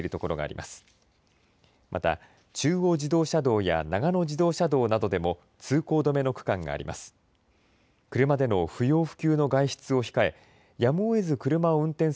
また中央自動車道や長野自動車道などでも通行止めの区間があります。